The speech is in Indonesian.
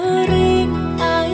sudah datang akhirnya